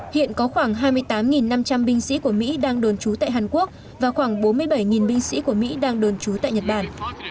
hiện có khoảng hai mươi tám năm trăm linh binh sĩ của mỹ đang đồn trú tại hàn quốc và khoảng bốn mươi bảy binh sĩ của mỹ đang đồn trú tại nhật bản